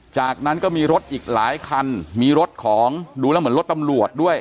จากนั้นก็มีรถอีกหลายคันมีรถของดูแล้วเหมือนรถตำรวจด้วย